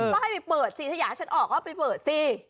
ก็ให้ไปเปิดสิถ้าอยากให้ฉันออกก็ไปเปิดสิ